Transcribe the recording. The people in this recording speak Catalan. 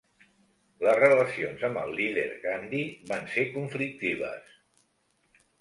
Les relacions amb el líder Gandhi van ser conflictives.